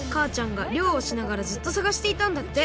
がりょうをしながらずっとさがしていたんだって。